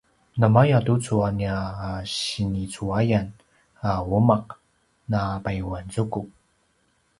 namaya tucu a nia a sinicuayan a umaq na payuanzuku